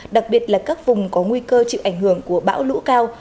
đặc biệt là các vùng có nguy cơ chịu ảnh hưởng của bão lũ cao